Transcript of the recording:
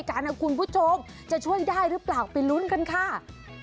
กันนะคุณผู้ชมจะช่วยได้หรือเปล่าไปลุ้นกันค่ะ